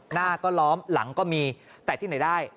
หน้าก็ล้อมหลังก็มีแต่ที่ไหนได้